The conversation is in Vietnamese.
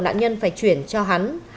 nạn nhân phải chuyển cho hắn